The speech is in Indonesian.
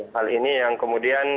hal ini yang kemudian